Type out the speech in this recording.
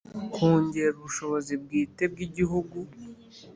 Kongera ubushobozi bwite bw igihugu